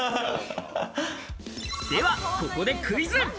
ではここでクイズ。